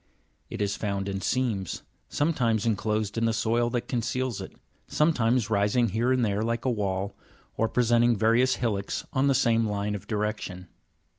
It is found in seams, sometimes enclosed in the soil that conceals it, sometimes rising here and there like a wall, or presenting various hillocks on the same line of direction.